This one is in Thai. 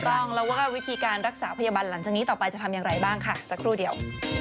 ต้องแล้วว่าวิธีการรักษาพยาบาลหลังจากนี้ต่อไปจะทำอย่างไรบ้างค่ะสักครู่เดียว